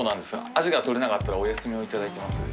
アジが捕れなかったらお休みをいただいています。